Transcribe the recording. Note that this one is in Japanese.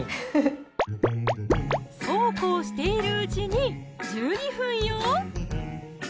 そうこうしているうちに１２分よ！